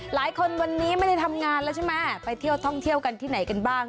หลายคนวันนี้ไม่ได้ทำงานแล้วใช่ไหมไปเที่ยวท่องเที่ยวกันที่ไหนกันบ้าง